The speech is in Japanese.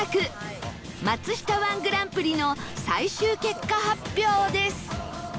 松下 −１ グランプリの最終結果発表です